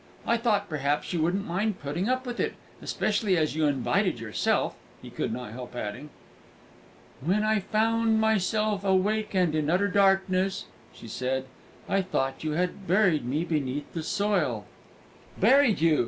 "I thought perhaps you wouldn't mind putting up with it, especially as you invited yourself," he could not help adding. "When I found myself awake and in utter darkness," she said, "I thought you had buried me beneath the soil." "Buried you!"